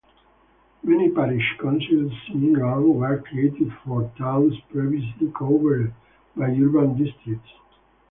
Many parish councils in England were created for towns previously covered by urban districts.